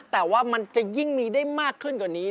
แต่ว่ามันจะยิ่งมีได้มากขึ้นกว่านี้